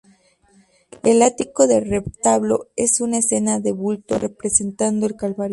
El ático del retablo es una escena de bulto representando el Calvario.